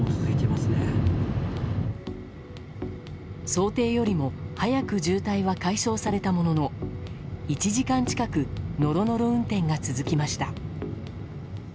想定よりも早く渋滞は解消されたものの１時間近くノロノロ運転が続きました。